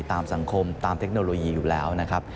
ตามสังคมตามเทคโนโลยีอยู่แล้วนะครับ